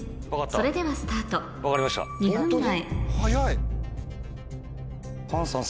それではスタート２分前ホントに？